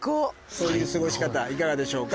そういう過ごし方いかがでしょうか？